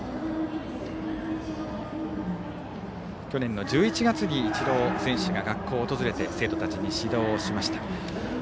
去年の１１月にイチローさんが学校を訪れて生徒たちに指導をしました。